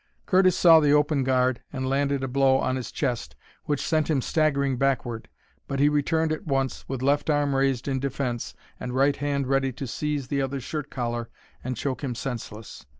Curtis saw the open guard and landed a blow on his chest which sent him staggering backward. But he returned at once, with left arm raised in defence and right hand ready to seize the other's shirt collar and choke him senseless.